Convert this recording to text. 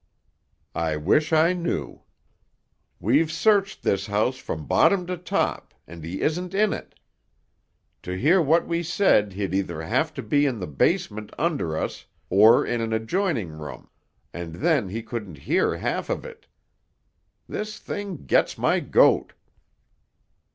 "I wish I knew!" "We've searched this house from bottom to top, and he isn't in it. To hear what we said he'd either have to be in the basement under us or in an adjoining room, and then he couldn't hear half of it. This thing gets my goat!"